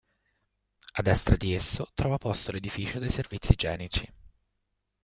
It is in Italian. A destra di esso trova posto l'edificio dei servizi igienici.